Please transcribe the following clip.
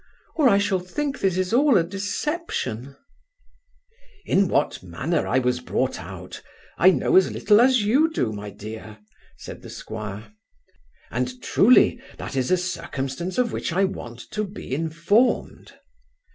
or I shall think this is all a deception' 'In what manner I was brought out, I know as little as you do, my dear (said the 'squire); and, truly, that is a circumstance of which I want to be informed.